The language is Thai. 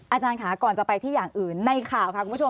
อาจารย์ค่ะก่อนจะไปที่อย่างอื่นในข่าวค่ะคุณผู้ชม